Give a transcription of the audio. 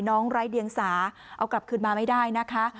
ไร้เดียงสาเอากลับคืนมาไม่ได้นะคะ